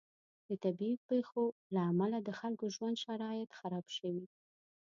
د طبعي پیښو له امله د خلکو د ژوند شرایط خراب شوي.